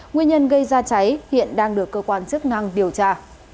nguyên nhân gây ra cháy hiện đang được cơ quan chức năng điều tra